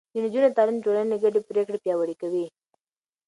د نجونو تعليم د ټولنې ګډې پرېکړې پياوړې کوي.